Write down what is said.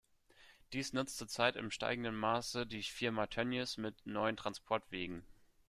Dies nutzt zur Zeit im steigenden Maße die Firma Tönnies mit neuen Transportwegen.